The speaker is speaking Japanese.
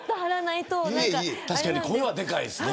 確かに声はでかいですね。